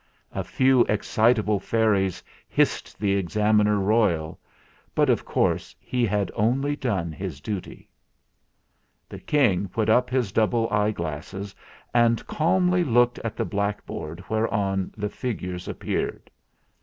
A few excitable fairies hissed the Examiner Royal; but of course he had only done his duty. The King put up his double eyeglasses, and calmly looked at the blackboard whereon the figures appeared.